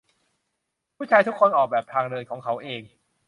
ผู้ชายทุกคนออกแบบทางเดินของเขาเอง